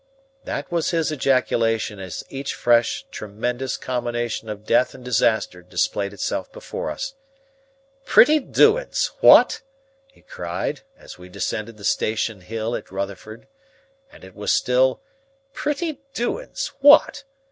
That was his ejaculation as each fresh tremendous combination of death and disaster displayed itself before us. "Pretty doin's! What!" he cried, as we descended the station hill at Rotherfield, and it was still "Pretty doin's! What!"